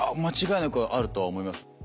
間違いなくあるとは思います。